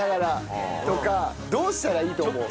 どうしたらいいと思う？